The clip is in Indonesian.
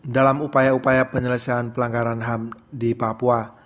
dalam upaya upaya penyelesaian pelanggaran ham di papua